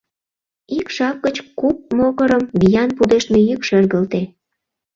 Ик жап гыч куп могырым виян пудештме йӱк шергылте.